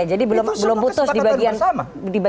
jadi belum putus di bagian itu ya